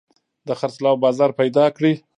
د خرڅلاو بازار پيدا کړي.